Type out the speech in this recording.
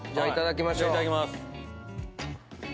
いただきます。